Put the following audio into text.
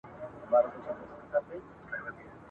نن سبا به ګورو عدالت د نړۍ څه وايي !.